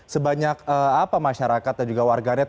sebanyak apa masyarakat dan juga warganet